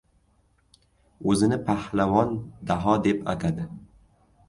O‘zini Pahlavon Daho deb atadi.